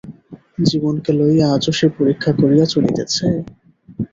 জীবনকে লইয়া আজও সে পরীক্ষা করিয়া চলিতেছে?